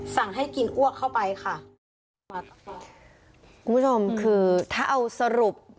สั่งให้กินอ้วกเข้าไปค่ะคุณผู้ชมคือถ้าเอาสรุป